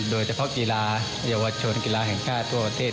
โดยเฉพาะกีฬาเยาวชนกีฬาแห่งชาติทั่วประเทศ